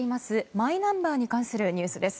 マイナンバーに関するニュースです。